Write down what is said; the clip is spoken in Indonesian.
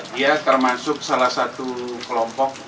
dia termasuk salah satu kelompok